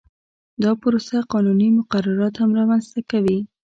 دا پروسه قانوني مقررات هم رامنځته کوي